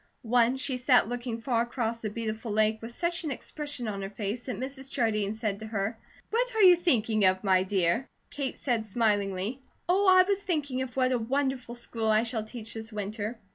Once she sat looking far across the beautiful lake with such an expression on her face that Mrs. Jardine said to her: "What are you thinking of, my dear?" Kate said smilingly: "Oh, I was thinking of what a wonderful school I shall teach this winter."